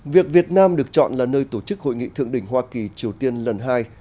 việc việt nam được chọn là nơi tổ chức hội nghị thượng đỉnh hoa kỳ triều tiên lần hai